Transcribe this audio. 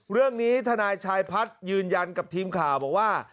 เรื่องนี้ทนายชายพัฒน์ยืนยันกับทีมข่าวบอกว่า